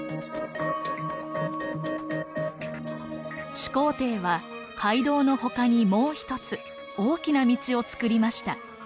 始皇帝は街道のほかにもう一つ大きな道をつくりました。